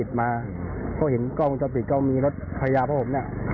แต่แต่เห็นกล้องจอติดครับ